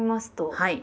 はい。